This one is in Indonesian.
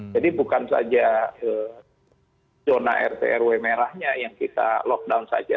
bukan saja zona rt rw merahnya yang kita lockdown saja